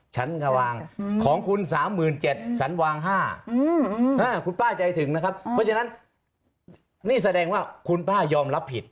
ฉันทวางของคุณ๓๗๐๐ฉันวาง๕คุณป้าใจถึงนะครับเพราะฉะนั้นนี่แสดงว่าคุณป้ายอมรับผิด